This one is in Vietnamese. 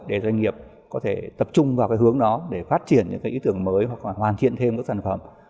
để doanh nghiệp có thể tập trung vào cái hướng đó để phát triển những cái ý tưởng mới hoặc là hoàn thiện thêm các sản phẩm